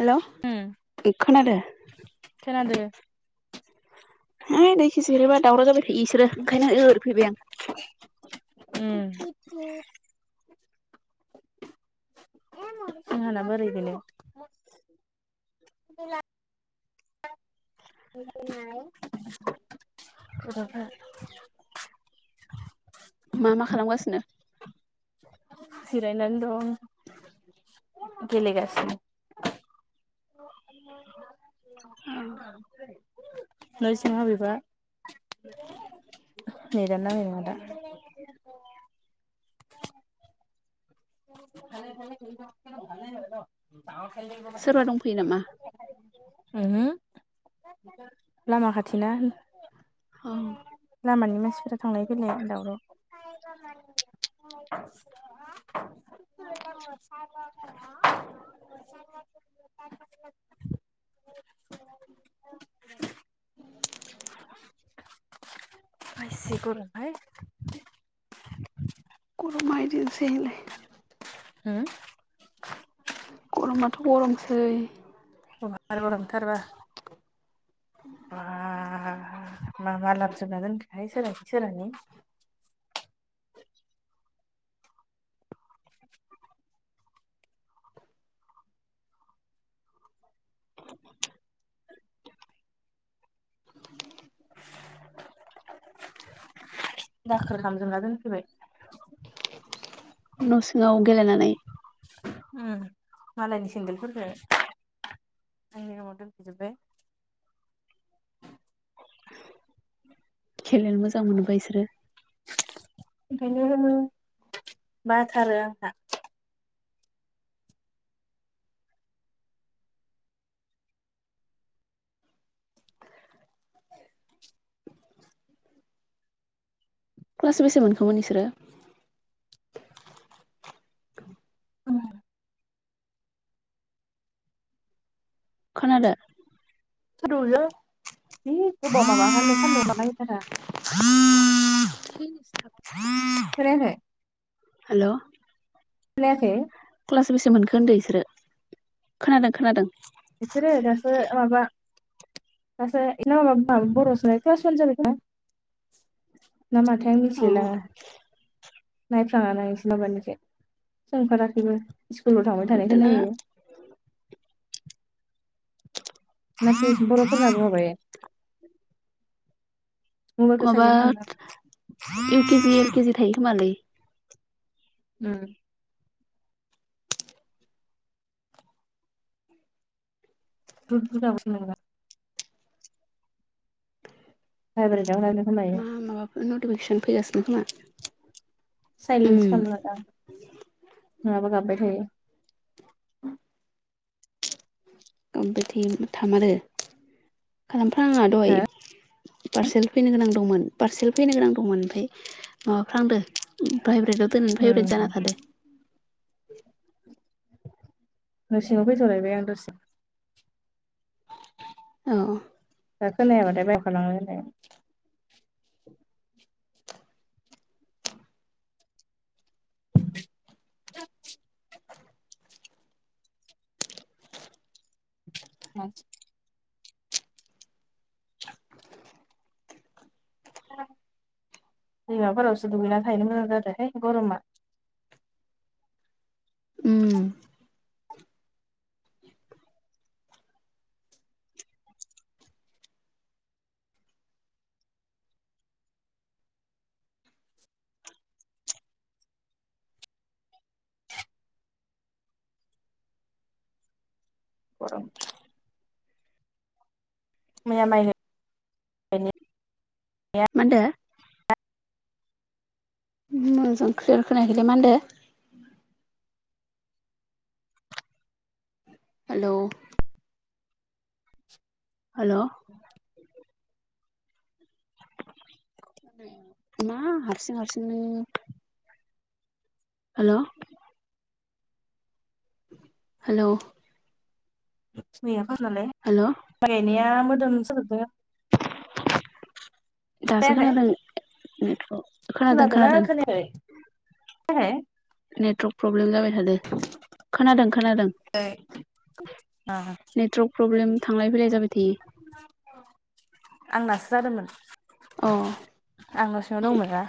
हेल' उम ए खोनादो? खोनादो है दैखि जिरबा दावराव जाबाय थायो इसोरो ओंखायनो ओरै फैबाय आं। उम। जोंहाना बोरै बेनो। खोनाथाराखै। मा मा खालामगासिनो जिरायनानै दं। गेलेगासिनो नै सिंहा बिबा नेतानो नांनाय नङा दा [inaudible] सोरबा दंफैयो नामा लामा खाथिना औ लामानि मानसि थांलाय फैलाया दावराव [inaudible] [inaudible] बेसे गरम हाय गरमा इदिनोसैलाय हो गरमाथ' गरमसै आरोबो नंथारबा बाह मा मा लाबजोबना दोनखोहाय सोर सोरानि [inaudible] दाखोर खालामामजोबना दोनफैबाय न' सिङाव गेलेनानै उम मालायनि सेन्देलफोरजों आंनि [unintelligible] दोनफैजोबाय। [inaudible] खेललेनो मोजां मोनोबा बिसोरो ओंखायनो होनो बाथारो आंहा क्लास बेसे मोनखोमोन बिसोरो? ओम खोनादों [unintelligible] जि गोबाव माबा होननो सानदुंआ नांथारा ह [inaudible] खोनायाखै हेल' खोनायाखै क्लास बेसे मोनखो होनदों बिसोरो खोनादों खोनादों। बिसोरो दासो माबा [unintelligible] क्लास वान जाबाय खोमा ना माथाइ अ मिथिलायलांङा नायफ्लाङ न इसोरला बायनोसै सोंफाखैबो। स्कुलाव थांबाय दाना थानायखोनायो। [unintelligible] मबाइलखौ साइलेन्ट माबा खालामनांगौ इउ केजि एल केजि थायो खोमालै। उम दुट दुट गाबो नोंना भाइब्रेटआव लानो खोमायो मा माबाफोर नटिफिकेसन फैगासिनो खोमा उम साइलेन्ससो खालामना लादों आं नङाबा गाबाय थयो औ बिथिं थामारो खालामफ्रा आंआ हो दहाय पार्सेल फैनो गोनां दंमोन पारसेल फैनो गोनां दंमोन ओमफ्राय माबाफ्रांदों उम भ्राइभेटआव [unintelligible] न'सिंङाव फैथ'लायबाय आं दसे ‌। औ औ दा खोनायाबाथाय बायहेर आव ओंखारलांनो होननाय [unintelligible] औ दैमाफोरावसो दुगैना थाहैनो मोजां जादोंहाय गरमा। उम [unintelligible] मैया माइ मा होनदो? मोजां क्लियार खोनाखैलै मा होनदो? हेलौ हेल' मा हारसिं हारसिंनो हेल' हेल' मैया फार्सथ नालाय माइ गायनाया मोदोम साजोबदो दासो खोनाखै खोनादों नेटखौ खोनादों खोनादोंना खोनादों खोनायाखै? नेटवार्क प्रब्लेम जाबाय थादों खोनादों खोनादों नेटवार्क प्रब्लेम थांलाय फैलाय जाबाय थायो। आंनासो जादोंमोन आं न'सिङाव दंमोन ना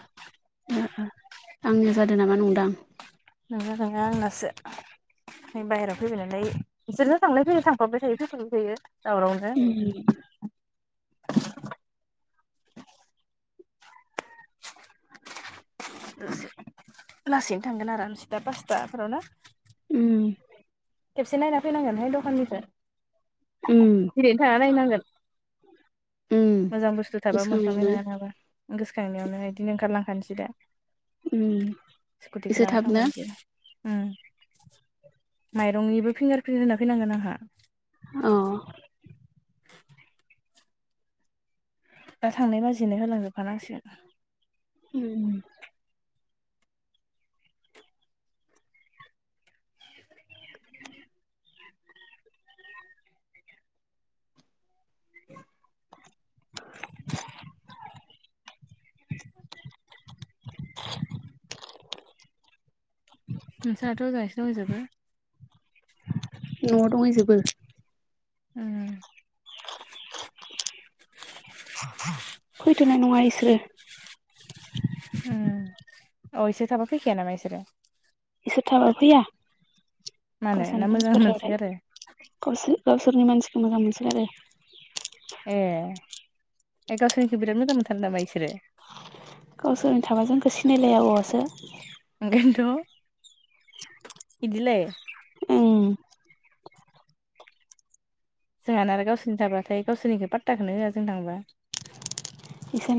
आंनो जादों नामा नंदां। नोंङ नङा आनासो ‌। जों बायहेरायाव फैबाय नालाय बिसोरबो थांलाय फैलाय थांफाबाय थायो फैफाबाय थायो। दावरावनो उम लासै लासैनो थांगोन आरो दा पासथाफोरावनो उम खेबसे नायना फैनांगोनहाय दखाननिफ्राय उम ओरैनो थाङा नायनांगोन। उम मोजां बुस्थु थाबाबो मोनखानाय गोसोखांनायावनो नङा नोंङाबा गोसोखांनायावनो बिदिनो ओंखारलांखानोसै दा उम एसे थाबनो ओं माइरंनिबो फिंगार प्रिन्ट होना फैनांगोन आंहा अह दा थांनाय बाजैनो होलांजोबखा नांसिगोन। उ [inaudible] [inaudible] नोंसाथ' ओजाहायसो दंहैजोबो न'आव दंहै जोबो उम फैथ'नाय नङा इसोरो उम अ इसोर थाबा फैखाया नामा इसोरो? इसेथाबा फैया [unintelligible] मोजां मोनसोगारो। ए गावसोरनिखौ बिराद मोजां मोनथारो नामा इसोरो? गावसोरनो थाबा जोंखौ सिनायलाया आबावसो। ओंखायनोथ' इदिलाय ओं जोंहाना आरो गावसोरनि थांबाथाय गावसोरनिखौ पात्ताखौनो होआ जों थांबा।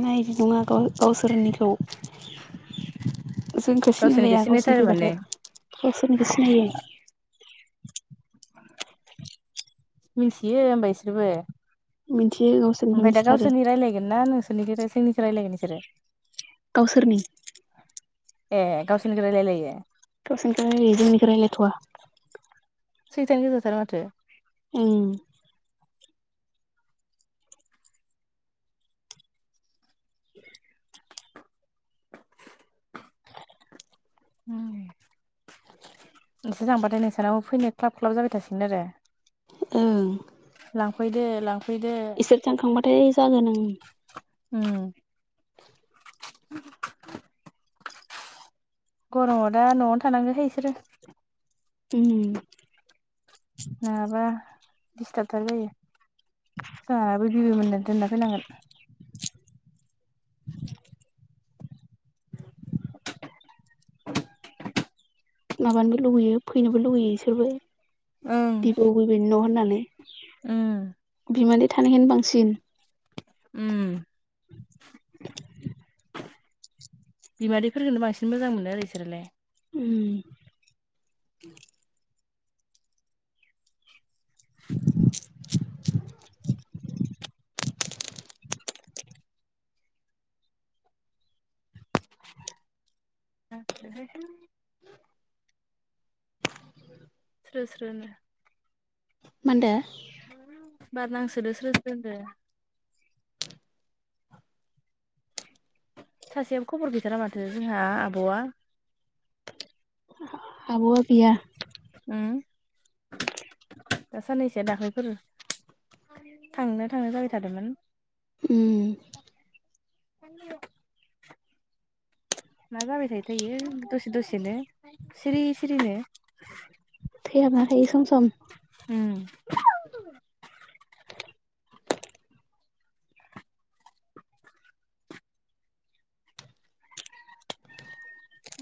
नाय बिदुङा गाव- गावसोरनिखौ जोंखौ गावसोरनिखौ सिनायलाया गावसोरनि सिनायथारो माने फैबाथाय गावसोरनिखौ सिनायो। मिन्थियो होमबा बिसोरबो? मिथियो गावसोरनिखौ ओमफ्राय दा मिथिथारो गावसोरनि रायलायगोन ना नोंसोरनि जोंनिसो रायल्लायगोन बिसोर? गावसोरनि। ए गावसोरनि रायलायलायो? गावसोरनिखौल रायलाययो जोंनिखौ रायलाय थवा। सैथानो गोजाथार माथो ‌? उम। [inaudible] उम एसे जांबाथाय नोंसानाव फैनो ख्लाब ख्लाब जाबाय थागोन आरो। ओं फैनो लां इसोर थांखांबाथाय जागोन ओं। उम गरमाव दा न'आवनो थानांगौहाय बिसोरो उम डिस्टार्बथार जायो जोंहाबो बिबै मोननो दोनना फैनांगोन। [inaudible] [inaudible] माबानोबो लुुबैयो फैनोबो लुुबैयो इसोरबो ओं बिब अगैबाय न' होननानै। उम बिमानि थानायखोनो बांसिन उम। [inaudible] बिमादै फोरखोनो बांसिन मोजां मोनो आरो इसोरालाय। उम [unintelligible] [inaudible] स्रो‌ स्रो नो मानदो। बार नांसोदो स्रो स्रो नो सासेयाबो खबर गैथारा माथो जोंहा आबआ आबआ गैया उम [inaudible] दा साननैसोआ दाख्लैफोरै थांनो थांनो जाबाय थादोंमोन उम [unintelligible] मा जाबाय थायो थाय इयो दसे दसेनो सिरि सिरिनो थैहाबना थायो सम सम उम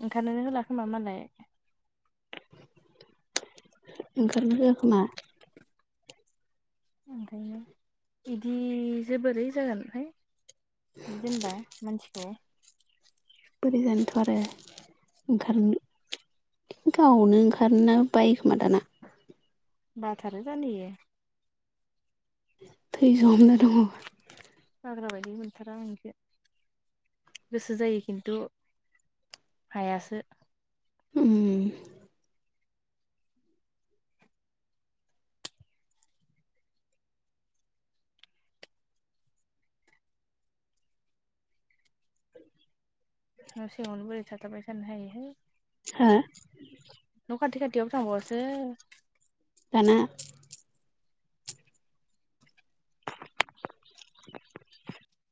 ओंखारनो नों होलाखोमा मालाय ओंखारनाय होआखोमा ओंखायनो बिदि जोबोरै जागोनहाय बिदि दोनबा मानसिखौ बोरै जानोथ आरो ओंखारनो गावनो ओंखारनो बायोखोमा दाना बाथारो जानो इयो थैजहमना दङ बाग्रा बायदि मोनथारां इखो गोसो जायो खिन्थु हायासो उम न सिङावनो बोरै थाथाब्बाय थानो हायोहाय हो न' खाथि खाथियावबो थांबावासो दाना